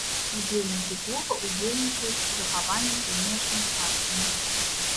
Удзельнікі клуба ўдзельнічаюць у захаванні чыгуначнай спадчыны.